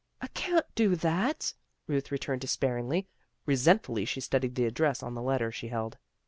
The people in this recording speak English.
"I can't do that," Ruth returned despair ingly. Resentfully she studied the address on the letter she held.